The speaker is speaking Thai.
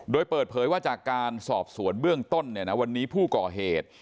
โดยเปิดเผยว่าจากการสอบสวนเบื้องต้นวันนี้ผู้ก่อเหตุ